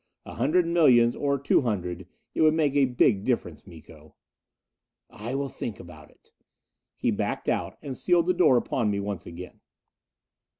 A hundred millions, or two hundred. It would make a big difference, Miko." "I will think about it." He backed out and sealed the door upon me once again.